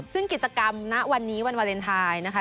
ซึ่งกิจกรรมณวันนี้วันวาเลนไทยนะคะ